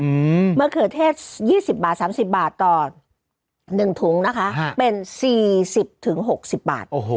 มะเขือเทศ๒๐บาท๓๐บาทต่อ๑ถุงนะคะเป็น๔๐ถึง๖๐บาท